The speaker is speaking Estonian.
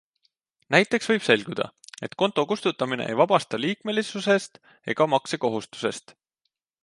Näiteks võib selguda, et konto kustutamine ei vabasta liikmelisusest ega maksekohustusest.